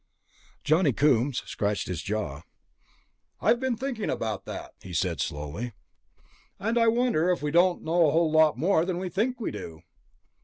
Johnny Coombs scratched his jaw. "I've been thinking about that," he said slowly, "and I wonder if we don't know a whole lot more than we think we do."